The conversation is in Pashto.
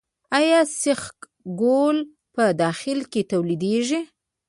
آیا سیخ ګول په داخل کې تولیدیږي؟